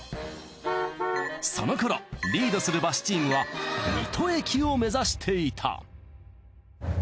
その頃リードするバスチームは水戸駅を目指していた。